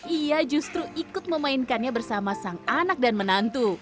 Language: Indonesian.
ia justru ikut memainkannya bersama sang anak dan menantu